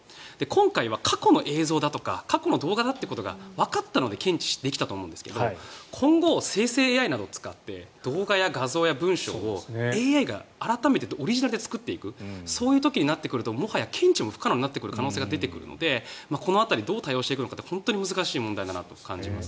今回は過去の映像とか動画だということがわかったので検知できましたが今後、生成ＡＩなどを使って動画や画像や文章をＡＩが改めてオリジナルで作っていくそういうことになっていくともはや検知も不可能になっていくのでこの辺り、どう対応していくのか本当に難しい問題だなと思います。